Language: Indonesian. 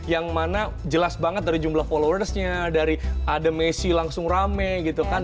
yang mana jelas banget dari jumlah followersnya dari ada messi langsung rame gitu kan